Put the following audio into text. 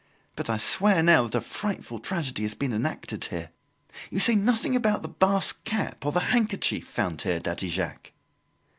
But I swear now that a frightful tragedy has been enacted here. You say nothing about the Basque cap, or the handkerchief, found here, Daddy Jacques?"